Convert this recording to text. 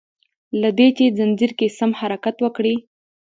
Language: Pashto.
له دي چي ځنځير کی سم حرکت وکړي